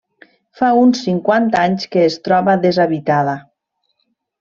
Fa uns cinquanta anys que es troba deshabitada.